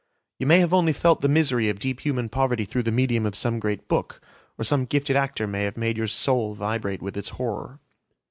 You may have only felt the misery of deep human poverty through the medium of some great book, or some gifted actor may have made your soul vibrate with its horror.